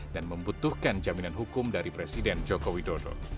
dan membutuhkan jaminan hukum dari presiden joko widodo